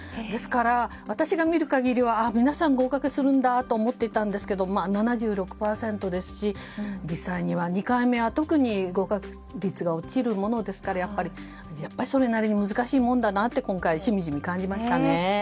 ですから私が見る限りでは皆さん合格するんだと思っていたんですけども７６％ですし実際には２回目は特に合格率が落ちるものですからやっぱりそれなりに難しいものなんだなと今回、しみじみ感じましたね。